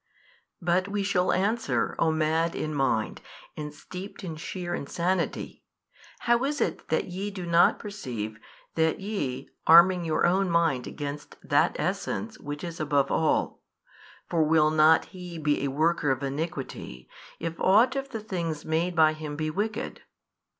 But we shall answer, O mad in mind, and steeped in sheer 1 insanity, how is it that YE do not perceive that ye arming your own mind against That Essence which is above all? for will not He be a worker of iniquity, if ought of the things made by Him be wicked?